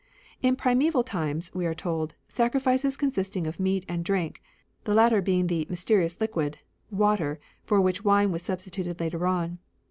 In primeval times, we are told, scbcrifices con sisted of meat and drink, the latter being the " mysterious liquid," water, for which wine was substituted later on.